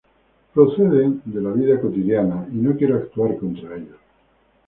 Proceden de la vida cotidiana y no quiero actuar contra ellos.